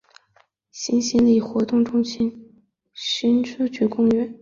新兴里活动中心新兴社区公园